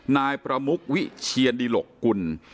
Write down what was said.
นายประมุกวิเชียนดิหลกกุล